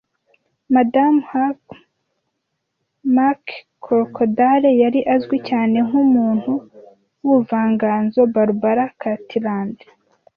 Madamu Hugh McCorquodale yari azwi cyane nk'umuntu w’ubuvanganzo Barbara Cartland